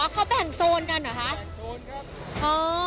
เขาแบ่งโซนกันเหรอคะ